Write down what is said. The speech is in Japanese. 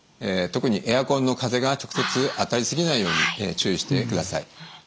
特にエアコンの風が直接当たり過ぎないように注意してください。